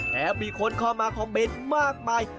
มีคนเข้ามาคอมเมนต์มากมาย